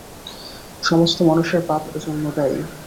সমস্ত মানুষের পাপ এজন্য দায়ী।